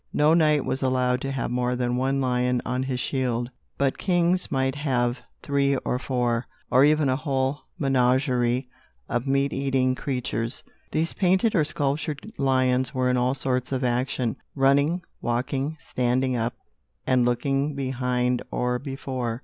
No knight was allowed to have more than one lion on his shield, but kings might have three or four, or even a whole menagerie of meat eating creatures. These painted or sculptured lions were in all sorts of action, running, walking, standing up and looking behind or before.